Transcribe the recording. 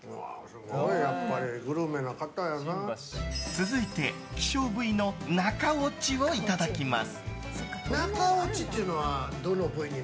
続いて、希少部位のなかおちをいただきます。